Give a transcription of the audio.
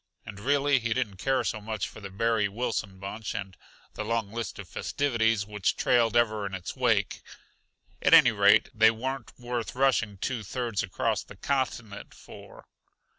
And really he didn't care so much for the Barry Wilson bunch and the long list of festivities which trailed ever in its wake; at any rate, they weren't worth rushing two thirds across the continent for.